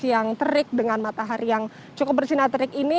yang terik dengan matahari yang cukup bersinar terik ini